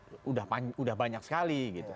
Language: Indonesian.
sudah banyak sekali